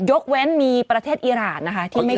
ยกเว้นมีประเทศอิหร่านนะคะที่ไม่ผิด